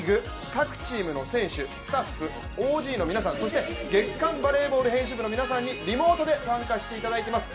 各チームの選手、スタッフ、ＯＧの皆さん、そして「月刊バレーボール」編集部の皆さんにリモートで参加してもらっています。